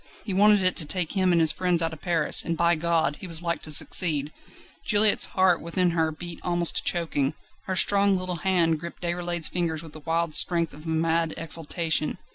He wanted it to take him and his friends out of Paris, and, by God! he was like to succeed. Juliette's heart within her beat almost to choking; her strong little hand gripped Déroulède's fingers with the wild strength of a mad exultation.